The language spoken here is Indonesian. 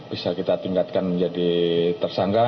dan menganggarkan menjadi tersangka